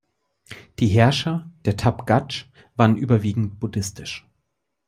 Die Herrscher der Tabgatsch waren überwiegend buddhistisch.